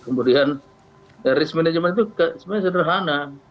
kemudian risk management itu sebenarnya sederhana